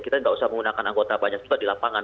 kita tidak usah menggunakan anggota banyak juga di lapangan